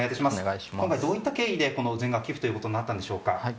今回どういった経緯で全額寄付となったんでしょうか。